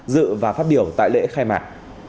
dự và phát biểu tại lễ khai mạc